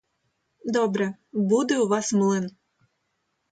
Добре, буде у вас млин!